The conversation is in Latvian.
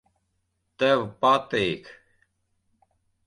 Tev patīk.